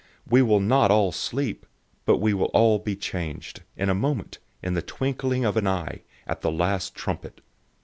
We will not all sleep, but we will all be changed, 015:052 in a moment, in the twinkling of an eye, at the last trumpet.